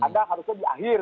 anda harusnya diakhir